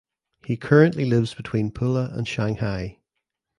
He currently lives between Pula and Shanghai.